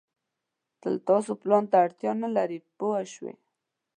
تل تاسو پلان ته اړتیا نه لرئ پوه شوې!.